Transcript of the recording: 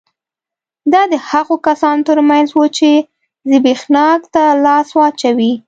دا د هغو کسانو ترمنځ وو چې زبېښاک ته لاس واچوي